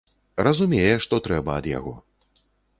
Разумее, што трэба ад яго.